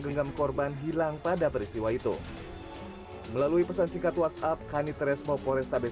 genggam korban hilang pada peristiwa itu melalui pesan singkat whatsapp kanitresmo forestabes